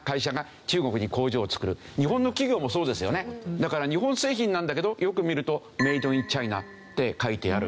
だから日本製品なんだけどよく見るとメイド・イン・チャイナって書いてある。